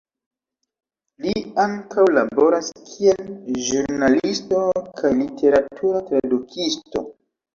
Li ankaŭ laboras kiel ĵurnalisto kaj literatura tradukisto.